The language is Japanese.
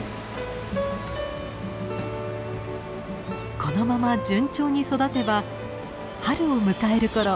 このまま順調に育てば春を迎えるころ